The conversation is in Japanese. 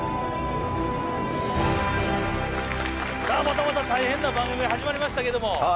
さあまたまた大変な番組が始まりましたけども！